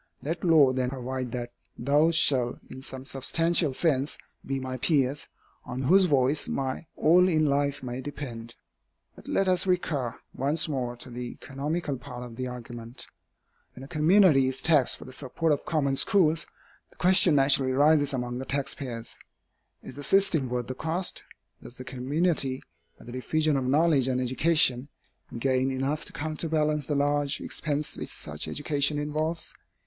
Let law then provide that those shall, in some substantial sense, be my peers, on whose voice my all in life may depend. But let us recur once more to the economical part of the argument. When a community is taxed for the support of common schools, the question naturally rises among the taxpayers, Is the system worth the cost? Does the community, by the diffusion of knowledge and education, gain enough to counterbalance the large expense which such education involves?